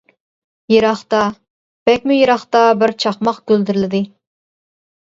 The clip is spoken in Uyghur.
يىراقتا، بەكمۇ يىراقتا بىر چاقماق گۈلدۈرلىدى.